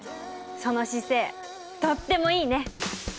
その姿勢とってもいいね！